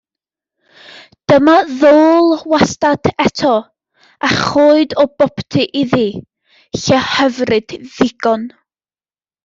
Dyma ddôl wastad eto, a choed o boptu iddi, lle hyfryd ddigon.